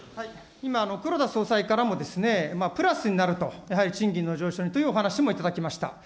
今、黒田総裁からも、プラスになると、やはり賃金の上昇にというお話も頂きました。